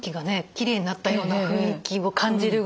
きれいになったような雰囲気を感じるぐらい。